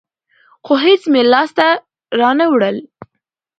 خو هېڅ مې لاس ته رانه وړل.